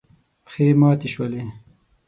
پښې ماتې شولې.